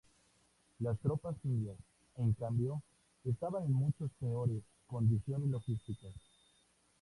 Las tropas indias, en cambio, estaban en mucho peores condiciones logísticas.